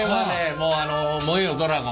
もう「燃えよドラゴン」。